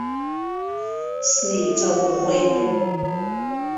Снеиҵаӷәӷәеит.